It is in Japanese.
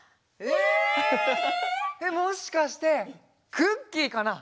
えっもしかしてクッキーかな？